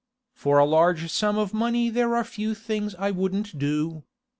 For a large sum of money there are few things I wouldn't do.